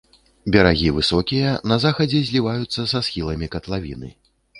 Берагі высокія, на захадзе зліваюцца са схіламі катлавіны.